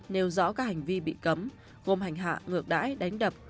nêu rõ các hành vi bị cấm gồm hành hạ ngược đãi đánh đập